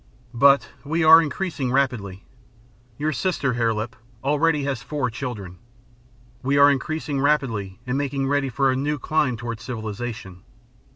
"But we are increasing rapidly your sister, Hare Lip, already has four children. We are increasing rapidly and making ready for a new climb toward civilization.